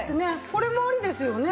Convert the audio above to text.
これもありですよね。